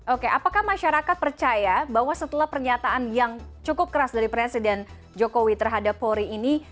oke apakah masyarakat percaya bahwa setelah pernyataan yang cukup keras dari presiden jokowi terhadap polri ini